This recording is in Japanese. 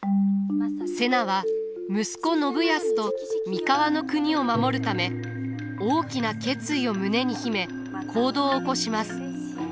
瀬名は息子信康と三河国を守るため大きな決意を胸に秘め行動を起こします。